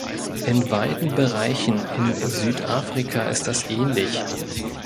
In weiten Bereichen in Südafrika ist das ähnlich.